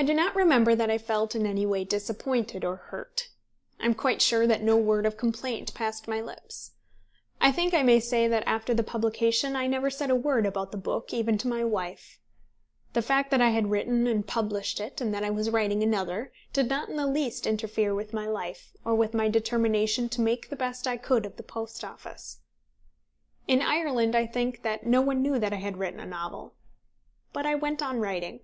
I do not remember that I felt in any way disappointed or hurt. I am quite sure that no word of complaint passed my lips. I think I may say that after the publication I never said a word about the book, even to my wife. The fact that I had written and published it, and that I was writing another, did not in the least interfere with my life or with my determination to make the best I could of the Post Office. In Ireland, I think that no one knew that I had written a novel. But I went on writing.